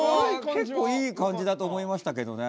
結構いい感じだと思いましたけどね。